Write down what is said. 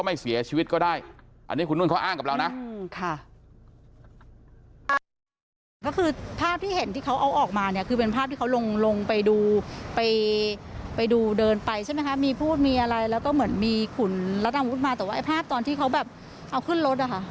เป็นภาพที่เขาลงไปดูเดินไปใช่ไหมคะมีพูดมีอะไรแล้วก็เหมือนมีขุนรัดอาวุธมาแต่ว่าไอ้ภาพตอนที่เขาแบบเอาขึ้นรถอะค่ะ